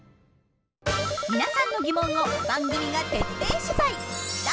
皆さんの疑問を番組が徹底取材！